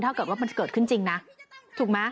ถ้าเกิดว่ามันเกิดขึ้นจริงนะถูกไหม